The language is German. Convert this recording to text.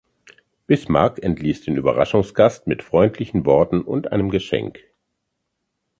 Bismarck entließ den Überraschungsgast mit freundlichen Worten und einem Geschenk.